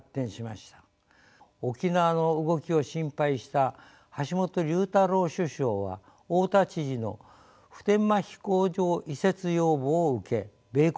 沖縄の動きを心配した橋本龍太郎首相は大田知事の普天間飛行場移設要望を受け米国と交渉